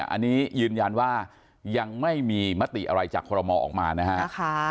อันนี้ยืนยันว่ายังไม่มีมติอะไรจากคอรมอออกมานะฮะ